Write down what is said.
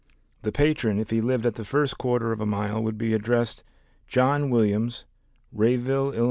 The patron if he lived at the first quarter of a mile would be addressed—John Williams, Rayville, Ill.